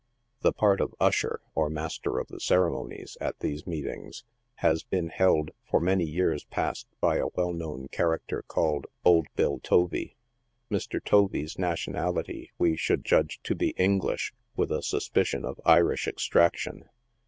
The part of usher, or master of the ceremonies, at these meetings, has been held, for many years past, by a well known character called " Old Bill Tovee ." Mr. Tovee's nationality we should judge to be English, with a suspicion of Irish extraction.